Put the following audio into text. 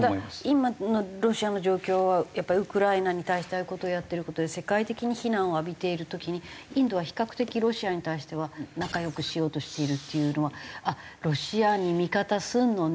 ただ今のロシアの状況はやっぱりウクライナに対してああいう事をやってる事で世界的に非難を浴びている時にインドは比較的ロシアに対しては仲良くしようとしているっていうのはあっロシアに味方するのねみたいな感じになってませんか？